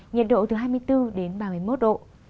nhiệt độ từ hai mươi bốn đến ba mươi một độ